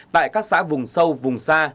tại các xã vùng sâu vùng xa